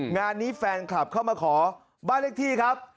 งานนี้แฟนคลับเข้ามาขอบ้านเลขที่ครับ